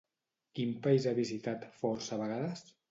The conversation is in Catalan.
Quin país ha visitat força vegades?